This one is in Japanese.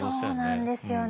そうなんですよね。